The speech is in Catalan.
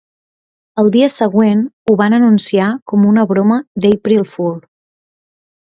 Al dia següent, ho van anunciar com una broma d'April Fool.